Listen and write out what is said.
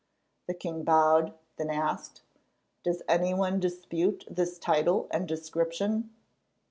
The king bowed, then asked: "Does any one dispute this title and description?"